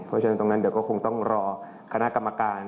เพราะฉะนั้นตรงนั้นเดี๋ยวก็คงต้องรอคณะกรรมการ